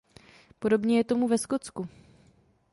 Podobně je tomu ve Skotsku.